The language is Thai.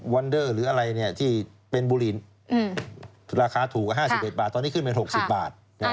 วันเดอร์หรืออะไรที่เป็นบุหรี่ราคาถูกกว่า๕๑บาทตอนนี้ขึ้นเป็น๖๐บาท